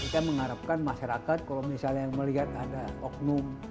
kita mengharapkan masyarakat kalau misalnya melihat ada oknum